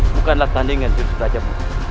bukanlah tandingan jurus rajab